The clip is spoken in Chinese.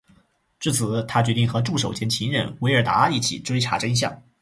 至此他决定和助手兼情人维尔达一起追查真相。